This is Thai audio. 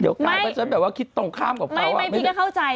เดี๋ยวกลายเป็นฉันแบบว่าคิดตรงข้ามกับเขาไม่พี่ก็เข้าใจ